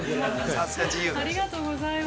◆ありがとうございます。